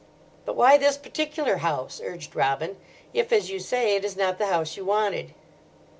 "But why this particular house?" urged Robin, "if, as you say, it is not the house you wanted."